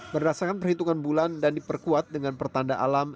berdasarkan perhitungan bulan dan diperkuat dengan pertanda alam